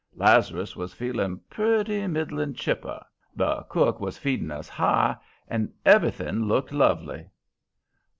Lazarus was feeling purty middling chipper, the cook was feeding us high, and everything looked lovely.